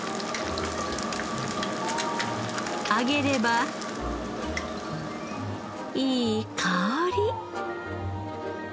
揚げればいい香り！